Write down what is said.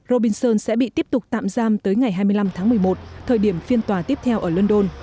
robinson sẽ bị tiếp tục tạm giam tới ngày hai mươi năm tháng một mươi một thời điểm phiên tòa tiếp theo ở london